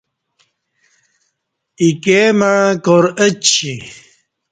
ایکئے مع کار اچی۔